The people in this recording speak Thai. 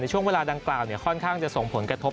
ช่วงเวลาดังกล่าวค่อนข้างจะส่งผลกระทบ